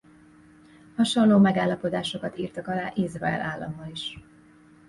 Hasonló megállapodásokat írtak alá Izrael állammal is.